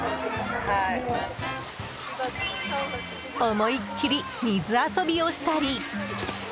思いっきり水遊びをしたり。